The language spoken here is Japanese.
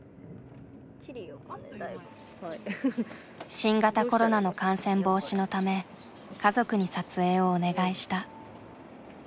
新型コロナの感染防止のため家族に撮影をお願いした。